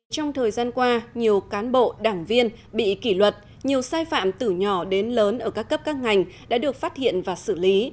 trong thời gian qua nhiều cán bộ đảng viên bị kỷ luật nhiều sai phạm từ nhỏ đến lớn ở các cấp các ngành đã được phát hiện và xử lý